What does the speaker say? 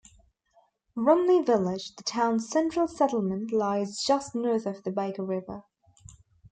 Rumney village, the town's central settlement, lies just north of the Baker River.